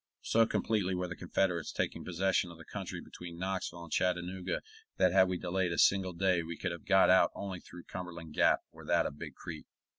So completely were the Confederates taking possession of the country between Knoxville and Chattanooga that had we delayed a single day we could have got out only through Cumberland Gap or that of Big Creek.